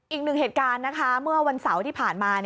อีกหนึ่งเหตุการณ์นะคะเมื่อวันเสาร์ที่ผ่านมา